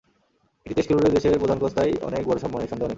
একটি টেস্ট খেলুড়ে দেশের প্রধান কোচ তাই অনেক বড়সম্মানের, সন্দেহ নেই।